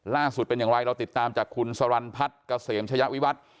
อย่างไรเป็นอย่างไรเราติดตามจากคุณสรรพัฒน์เกษมชะยะวิวัตร